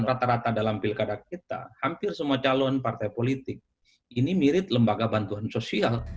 rata rata dalam pilkada kita hampir semua calon partai politik ini mirip lembaga bantuan sosial